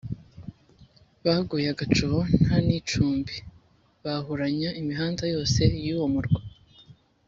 Baguye agacuho nta n’icumbi, bahuranya imihanda yose y’uwo murwa